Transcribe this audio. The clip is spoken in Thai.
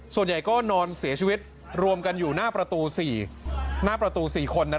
ส่วนใหญ่ก็นอนเสียชีวิตรวมกันอยู่หน้าประตู๔คน